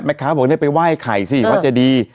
แม่ค้าบอกว่าไปไหว้ไข่สิว่าจะดี